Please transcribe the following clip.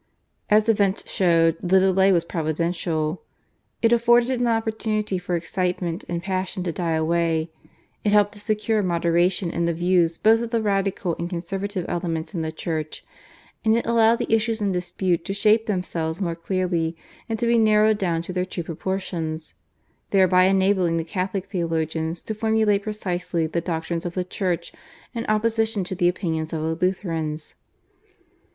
As events showed the delay was providential. It afforded an opportunity for excitement and passion to die away; it helped to secure moderation in the views both of the radical and conservative elements in the Church; and it allowed the issues in dispute to shape themselves more clearly and to be narrowed down to their true proportions, thereby enabling the Catholic theologians to formulate precisely the doctrines of the Church in opposition to the opinions of the Lutherans.